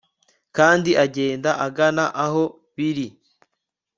kandi agenda agana aho biri